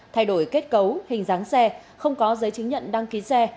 thay đổi kết cấu hình dáng xe không có giấy chứng nhận đăng ký xe